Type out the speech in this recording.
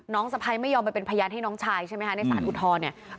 สะพ้ายไม่ยอมไปเป็นพยานให้น้องชายใช่ไหมคะในสารอุทธรณ์เนี่ย